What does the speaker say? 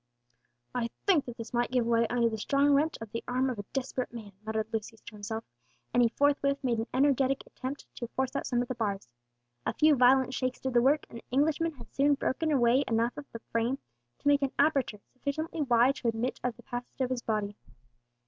"I think that this might give way under the strong wrench of the arm of a desperate man," muttered Lucius to himself; and he forthwith made an energetic attempt to force out some of the bars. A few violent shakes did the work, and the Englishman had soon broken away enough of the frame to make an aperture sufficiently wide to admit of the passage of his body.